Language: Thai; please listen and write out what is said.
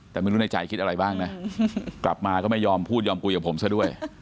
แต่ไม่รู้ในใจคิดอะไรบ้างนะกลับมาก็ไม่ยอมพูดยอมคุยกับผมซะด้วย